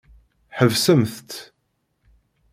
Ḥebsemt-t.